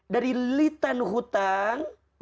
dari litan hutang